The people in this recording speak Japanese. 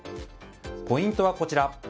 ポイントはこちら。